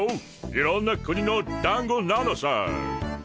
いろんな国のだんごなのさ。